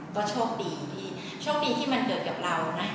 ก็โชคดีที่มันเกิดกับเรานะ